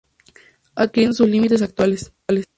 Adquiriendo sus límites actuales.